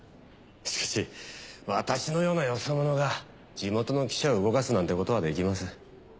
しかし私のようなよそ者が地元の記者を動かすなんてことはできません。